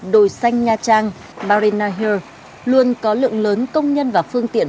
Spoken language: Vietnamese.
đồi xanh nha trang marina hill luôn có lượng lớn công nhân và phương tiện